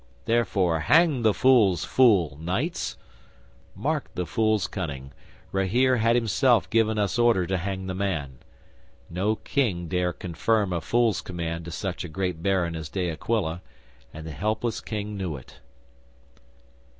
Therefore, hang the fool's fool, knights!" 'Mark the fool's cunning! Rahere had himself given us order to hang the man. No King dare confirm a fool's command to such a great baron as De Aquila; and the helpless King knew it.